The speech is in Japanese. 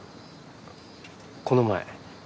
この前。